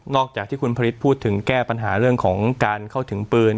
จากที่คุณผลิตพูดถึงแก้ปัญหาเรื่องของการเข้าถึงปืน